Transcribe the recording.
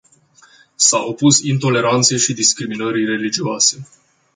S-a opus intoleranței și discriminării religioase.